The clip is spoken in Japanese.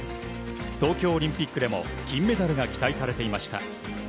東京オリンピックでも金メダルが期待されていました。